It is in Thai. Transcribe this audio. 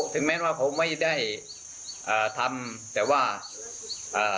ถึงแม้ว่าผมไม่ได้อ่าทำแต่ว่าอ่า